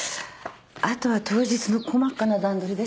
あとは当日の細かな段取りですが。